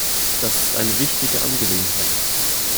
Das ist eine wichtige Angelegenheit.